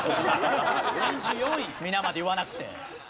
皆まで言わなくて。